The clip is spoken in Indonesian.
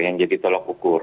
yang jadi tolok ukur